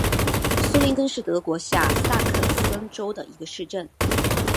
苏林根是德国下萨克森州的一个市镇。